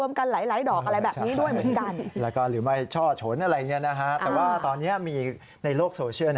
มันมีช่องเหมือนกัน